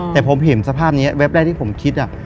แต่ผมเห็นสภาพนี้แวบแรกที่ผมคิด